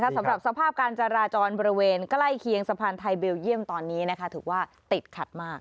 สำหรับสภาพการจราจรบริเวณใกล้เคียงสะพานไทยเบลเยี่ยมตอนนี้ถือว่าติดขัดมาก